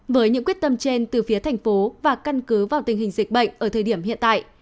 với những quyết tâm trên từ phía thành phố và căn cứ vào tình hình dịch bệnh ở thời điểm hiện tại